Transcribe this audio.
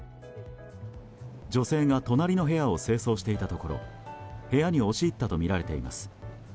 女性が隣の部屋を清掃していたところ部屋に押し入ったとみられています。